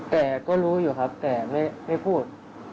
แต่ไม่พูด